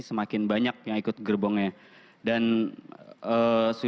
semakin banyak yang ikut gerbongnya